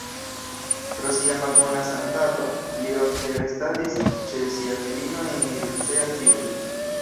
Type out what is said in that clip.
Pro sia malbona sanstato li ofte restadis ĉe sia filino en Miercurea Ciuc.